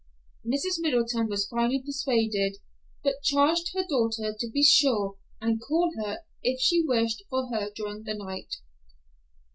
Mrs. Middleton was finally persuaded, but charged her daughter to be sure and call her if she wished for her during the night.